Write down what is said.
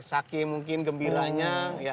saki mungkin gembiranya